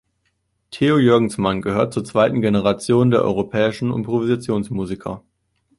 Theo Jörgensmann gehört zur zweiten Generation der europäischen Improvisationsmusiker.